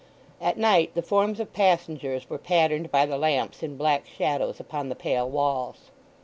At night the forms of passengers were patterned by the lamps in black shadows upon the pale walls.